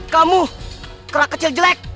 kamu kera kecil jelek